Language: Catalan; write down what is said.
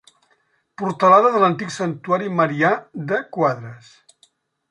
Portalada de l'antic Santuari Marià de Quadres.